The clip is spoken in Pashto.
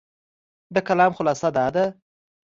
د کلام خلاصه دا ده،